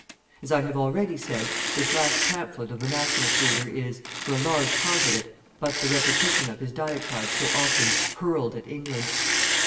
As I have already said, this last pamphlet of the Nationalist leader is, for a large part of it, but the repetition of his diatribes so often hurled at England.